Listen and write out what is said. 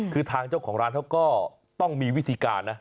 คือทางเจ้าของร้านเขาก็ต้องมีวิธีการนะ